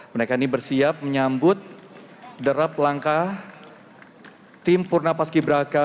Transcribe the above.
mereka ini bersiap menyambut derap langkah tim purna paski braka